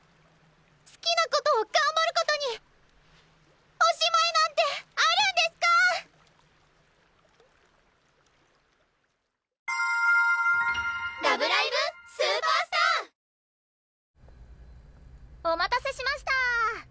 好きなことを頑張ることにおしまいなんてあるんデスカ⁉お待たせしました。